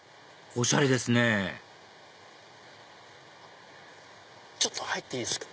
おしゃれですねちょっと入っていいですか？